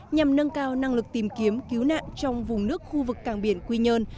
nhằm nâng cao năng lực tìm kiếm cứu nạn trong vùng nước khu vực cảng biển quy nhơn